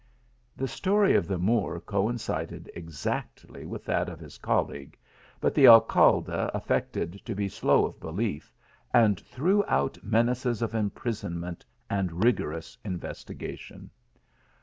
" The story of the Moor coincided exactly with that of his colleague ; but the Alcalde afifected to be slow of belief, and threw out menaces of imprisonment and rigorous investigation.